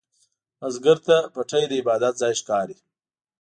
بزګر ته پټی د عبادت ځای ښکاري